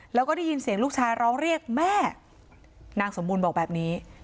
แล้วก็ได้ยินเสียงลูกชายร้องเรียกแม่นางสมบูรณ์บอกแบบนี้